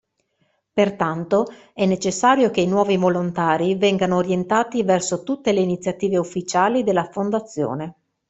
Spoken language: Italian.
Pertanto, è necessario che i nuovi volontari vengano orientati verso tutte le iniziative ufficiali della fondazione.